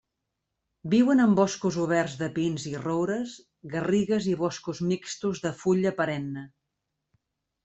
Viuen en boscos oberts de pins i roures, garrigues i boscos mixtos de fulla perenne.